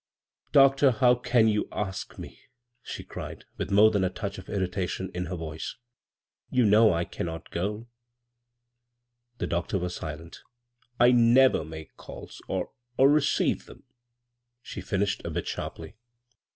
" Doctor, how can you ask me I " she cried, 78 b, Google CROSS CURRENTS with more than a touch of irritation in her roice. " You know I cannot go 1 " The doctor was silent " I never make calls, or — or receive them," ihe finished a bit sharply.